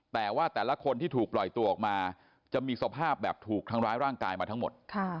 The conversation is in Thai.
แต่ว่าแต่ละคนที่ถูกปล่อยตัวออกมาจะมีสภาพแบบถูกทำร้ายร่างกายมาทั้งหมด